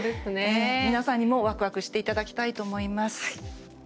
皆さんにも、わくわくしていただきたいと思います。